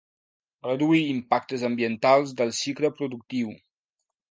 Reduir impactes ambientals del cicle productiu.